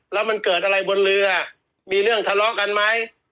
แล้วมันเกิดอะไรบนเรือมีเรื่องทะเลาะกันไหม